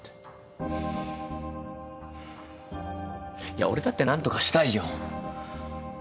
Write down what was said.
いや俺だって何とかしたいよ。